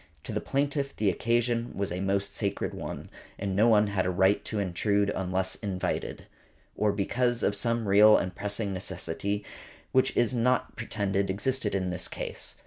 To the plaintiff the occasion was a most sacred one, and no one had a right to intrude unless invited, or because of some real and pressing necessity which it is not pretended existed in this case.